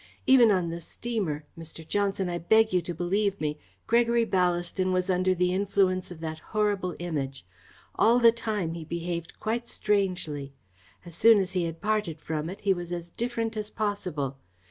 Even on the steamer Mr. Johnson, I beg you to believe me Gregory Ballaston was under the influence of that horrible Image. All the time he behaved quite strangely. As soon as he had parted from it, he was as different as possible.